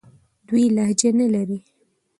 دوی لهجه نه لري.